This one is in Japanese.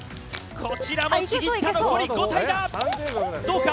こちらもちぎった残り５体だどうか！？